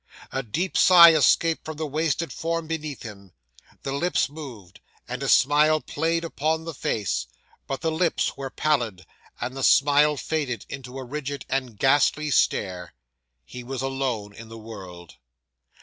A deep sigh escaped from the wasted form before him; the lips moved, and a smile played upon the face; but the lips were pallid, and the smile faded into a rigid and ghastly stare. He was alone in the world.